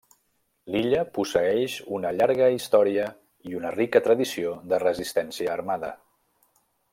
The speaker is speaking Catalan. Lilla posseeix una llarga història i una rica tradició de resistència armada.